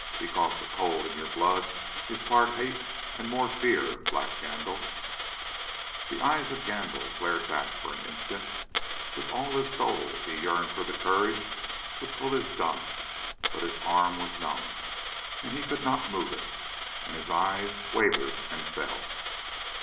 "Because the cold in your blood is part hate and more fear, Black Gandil." The eyes of Gandil glared back for an instant. With all his soul he yearned for the courage to pull his gun, but his arm was numb; he could not move it, and his eyes wavered and fell.